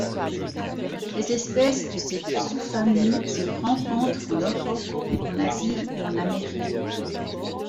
Les espèces de cette sous-famille se rencontrent en Europe, en Asie et en Amérique.